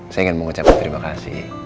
saya ingin mengucapkan terima kasih